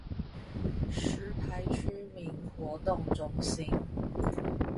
石牌區民活動中心